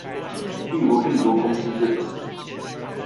例如病毒公司這種